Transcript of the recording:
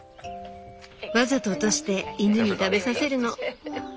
わざと落として犬に食べさせるの。